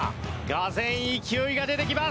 俄然勢いが出てきます。